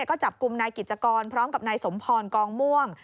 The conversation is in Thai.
ก็จับกลุ่มนายกิจกรพร้อมกับนายสมพรกองม่วง